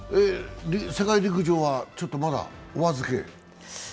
世界陸上はちょっとまだお預け？